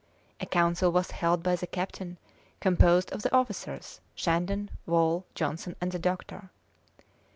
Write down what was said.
A council was held by the captain, composed of the officers, Shandon, Wall, Johnson, and the doctor.